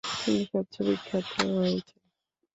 তিনি সবচেয়ে বিখ্যাত হয়েছেন।